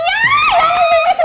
ya uya seneng banget